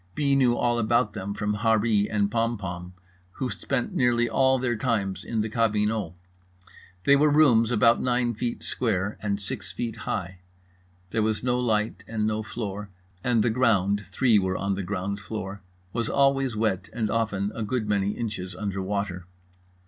B. knew all about them from Harree and Pompom, who spent nearly all their time in the cabinot. They were rooms about nine feet square and six feet high. There was no light and no floor, and the ground (three were on the ground floor) was always wet and often a good many inches under water.